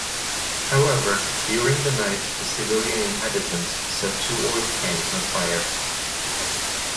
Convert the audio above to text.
However, during the night the civilian inhabitants set two oil tanks on fire.